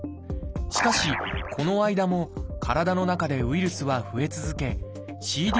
しかしこの間も体の中でウイルスは増え続けＣＤ